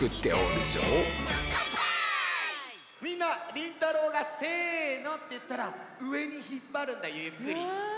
りんたろうが「せの」っていったらうえにひっぱるんだよゆっくり。